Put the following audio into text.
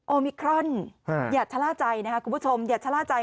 มิครอนอย่าชะล่าใจนะครับคุณผู้ชมอย่าชะล่าใจ